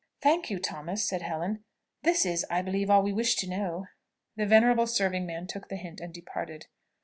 "Thank you, Thomas," said Helen. "This is, I believe, all we wish to know." The venerable serving man took the hint and departed.